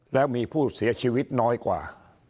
แล้วมีผู้เสียชีวิตน้อยกว่า